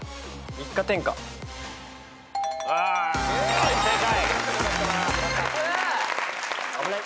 はい正解。